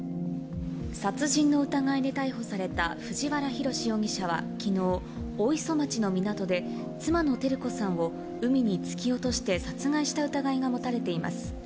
殺人の疑いで逮捕された藤原宏容疑者は、きのう、大磯町の港で、妻の照子さんを海に突き落として殺害した疑いが持たれています。